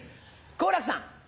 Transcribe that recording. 好楽さん。